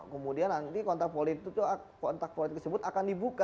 kemudian nanti kontrak politik itu akan dibuka